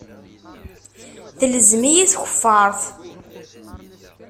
Telzem-iyi tkeffaṛt.